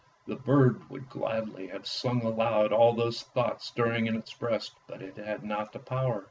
The bird would gladly have sung aloud all these thoughts stirring in its breast, but it had not the power.